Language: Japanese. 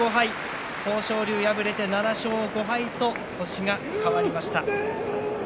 豊昇龍、敗れて７勝５敗と星が変わりました。